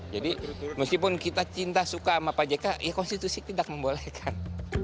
jadi meskipun kita cinta suka sama pak jk ya konstitusi tidak membolehkan